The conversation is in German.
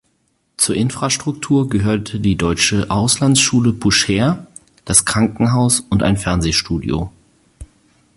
Zur Infrastruktur gehörte die Deutsche Auslandsschule Buschehr, das Krankenhaus und ein Fernsehstudio.